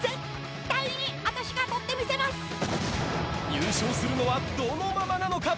優勝するのはどのママなのか。